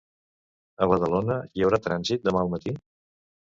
A Badalona hi haurà trànsit demà al matí?